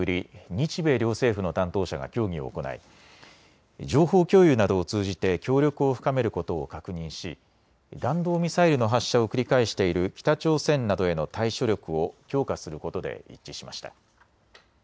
日米両政府の担当者が協議を行い情報共有などを通じて協力を深めることを確認し弾道ミサイルの発射を繰り返している北朝鮮などへの対処力を強化することで一致しました。